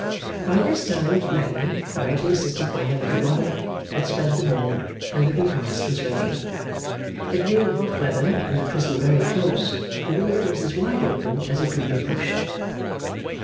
') By this time Maggy, quietly assisted by her Little Mother, had spread the board, and the repast was ready. It being hot weather and the prison very close, the window was as wide open as it could be pushed.